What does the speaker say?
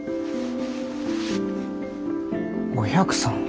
お百さん。